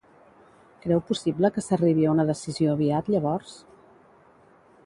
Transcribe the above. Creu possible que s'arribi a una decisió aviat, llavors?